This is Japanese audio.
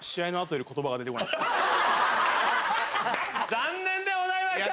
・残念でございました。